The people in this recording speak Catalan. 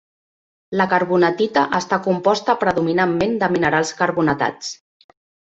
La carbonatita està composta predominantment de minerals carbonatats.